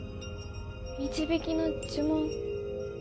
導きの呪文。